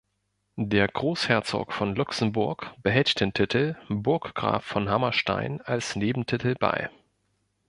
Der Großherzog von Luxemburg behält den Titel „Burggraf von Hammerstein“ als Nebentitel bei.